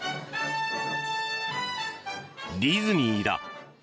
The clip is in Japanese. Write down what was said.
ディズニーだ。